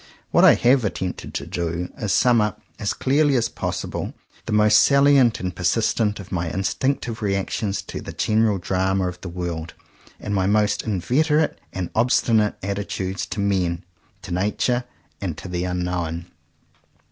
What I have attempted to do is to sum up as clearly as possible, the most salient and persistent of my instinctive reactions to the general drama of the world; and my most inveterate and obstinate attitudes to men, to nature, and to the unknown.